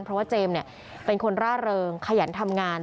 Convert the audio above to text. เพราะว่าเจมส์เป็นคนร่าเริงขยันทำงาน